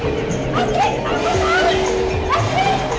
asli asli aku mau balik